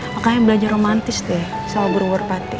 makanya belajar romantis deh sama ber merpati